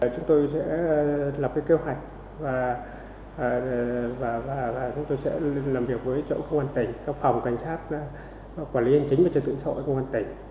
chúng tôi sẽ lập kế hoạch và chúng tôi sẽ làm việc với chỗ công an tỉnh các phòng cảnh sát quản lý hành chính về trật tự xã hội công an tỉnh